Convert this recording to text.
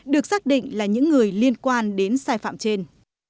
được xác định là những người liên quan đến sai phạm trên